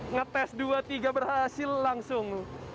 ngetes dua tiga berhasil langsung